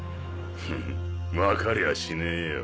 フンわかりゃしねぇよ。